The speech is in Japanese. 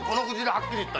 はっきり言った！